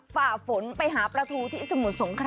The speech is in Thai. ฝ่าฝนไปหาปลาทูที่สมุทรสงคราม